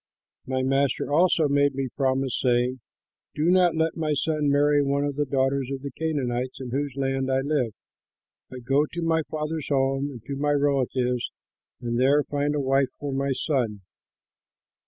My master also made me promise, saying, 'Do not let my son marry one of the daughters of the Canaanites, in whose land I live, but go to my father's home and to my relatives and there find a wife for my son.'